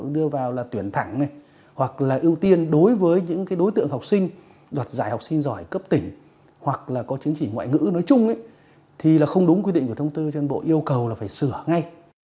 đưa vào là tuyển thẳng hoặc là ưu tiên đối với những đối tượng học sinh đoạt giải học sinh giỏi cấp tỉnh hoặc là có chứng chỉ ngoại ngữ nói chung thì là không đúng quy định của thông tư cho nên bộ yêu cầu là phải sửa ngay